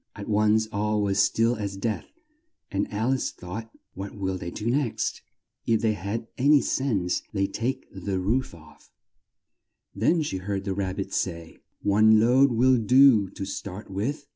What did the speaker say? At once all was still as death, and Al ice thought, "What will they do next? If they had an y sense, they'd take the roof off." Then she heard the Rab bit say, "One load will do to start with."